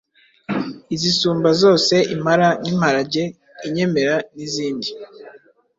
izisumba zose, impara n’imparage, inyemera n’izindi.l